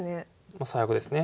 まあ最悪ですね。